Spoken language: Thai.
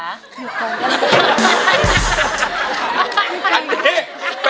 หยุดก่อน